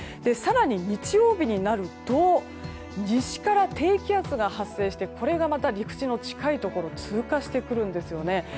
更に日曜日になると西から低気圧が発生してこれが陸地の近いところを通過してくるんですよね。